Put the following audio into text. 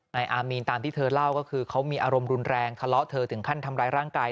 อามีนตามที่เธอเล่าก็คือเขามีอารมณ์รุนแรงทะเลาะเธอถึงขั้นทำร้ายร่างกาย